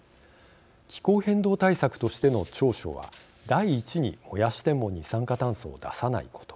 気候変動対策としての長所は第一に、燃やしても二酸化炭素を出さないこと。